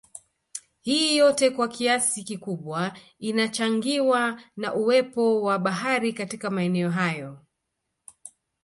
Hii yote kwa kiasi kikubwa inachangiwa na uwepo wa Bahari katika maeneo hayo